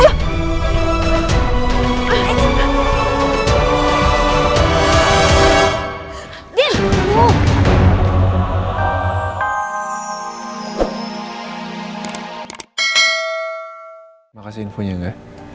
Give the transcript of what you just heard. terima kasih infonya nga